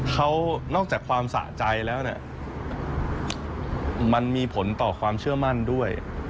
เขานอกจากความสะใจแล้วเนี่ยมันมีผลต่อความเชื่อมั่นด้วย